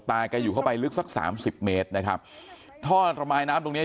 แกอยู่เข้าไปลึกสักสามสิบเมตรนะครับท่อระบายน้ำตรงเนี้ย